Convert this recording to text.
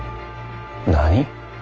何！？